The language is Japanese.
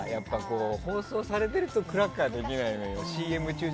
放送されてるとクラッカーできないのよ。